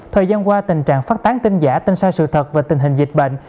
thời gian qua tình trạng phát tán tin giả tin sai sự thật về tình hình dịch bệnh